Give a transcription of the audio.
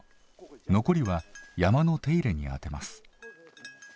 残りは山の手入れに充てます。